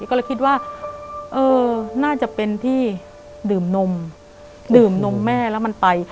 ก็เลยคิดว่าเออน่าจะเป็นที่ดื่มนมดื่มนมแม่แล้วมันไป